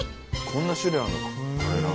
こんな種類あるの？